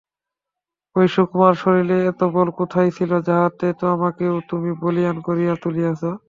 ওই সুকুমার শরীরে এত বল কোথায় ছিল যাহাতে আমাকেও তুমি বলীয়ান করিয়া তুলিয়াছ?